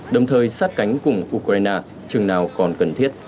đồng thời sát cánh cùng ukraine chừng nào còn cần thiết